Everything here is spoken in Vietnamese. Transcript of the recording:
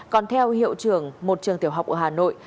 còn theo hiệu trưởng một trường tiểu học ở hà nội